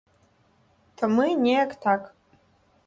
То мы неяк так.